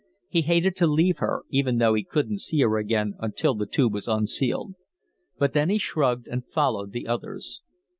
He hated to leave her, even though he couldn't see her again until the Tube was unsealed. But then he shrugged and followed the others.